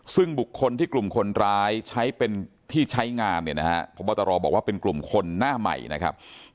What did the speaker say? ซึ่งบุคคลที่กลุ่มคนร้ายใช้เป็นที่ใช้งานเนี่ยนะฮะพบตรบอกว่าเป็นกลุ่มคนหน้าใหม่นะครับ